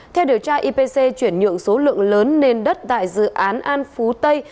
theo điều tra ipc chuyển nhượng số lượng lớn nền đất tại dự án an phú tây